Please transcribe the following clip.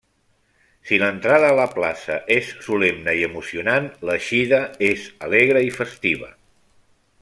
Si l'entrada a la plaça és solemne i emocionant, l'eixida és alegre i festiva.